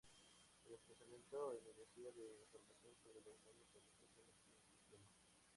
El desplazamiento en energía da información sobre los modos vibracionales en el sistema.